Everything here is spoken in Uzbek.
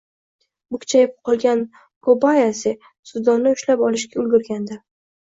Bukchayib qolgan Kobayasi suvdonni ushlab olishga ulgurgandi